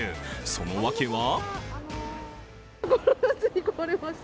その訳は？